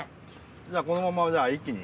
このままじゃあ一気に。